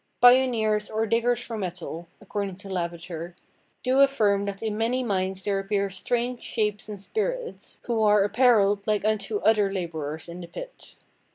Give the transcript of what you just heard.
"Pioneers or diggers for metal," according to Lavater, "do affirme that in many mines there appeare straunge shapes and spirites, who are apparelled like unto other laborers in the pit.